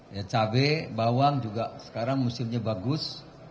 ya cabai bawang juga sekarang musimnya bagus